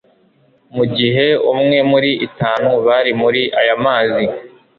mu gihe umwe muri itanu bari muri aya mazi